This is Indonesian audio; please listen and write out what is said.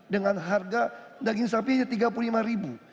dengan harga daging sapi hanya tiga puluh lima ribu